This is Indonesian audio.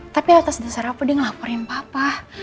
tapi atas dasar apa dia ngelaporin bapak